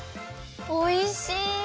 おいしい！